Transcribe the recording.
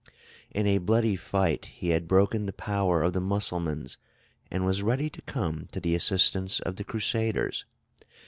In a bloody fight he had broken the power of the Mussulmans, and was ready to come to the assistance of the Crusaders.